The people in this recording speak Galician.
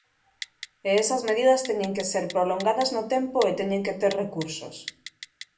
E esas medidas teñen que ser prolongadas no tempo e teñen que ter recursos.